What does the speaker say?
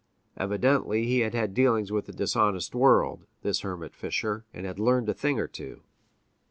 Evidently he had had dealings with a dishonest world, this hermit fisher, and had learned a thing or two.